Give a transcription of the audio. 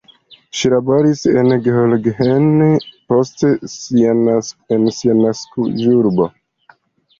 Ŝi laboris en Gheorgheni, poste en sia naskiĝurbo.